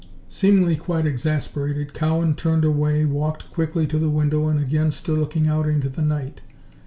Seemingly quite exasperated, Cowan turned away, walked quickly to the window and again stood looking out into the night.